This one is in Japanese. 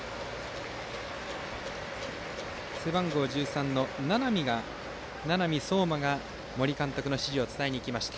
背番号１３の名波蒼真が森監督の指示を伝えに行きました。